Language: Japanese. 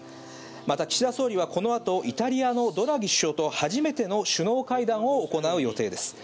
また岸田総理はこのあと、イタリアのドラギ首相と初めての首脳会談を行う予定です。